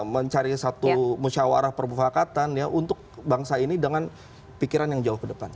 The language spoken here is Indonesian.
mencari satu musyawarah perbufakatan untuk bangsa ini dengan pikiran yang jauh ke depan